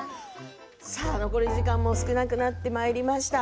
残り時間も少なくなってまいりました。